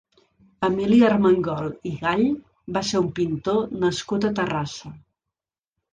Emili Armengol i Gall va ser un pintor nascut a Terrassa.